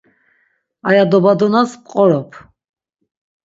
Aya dobadonas p̌qorop.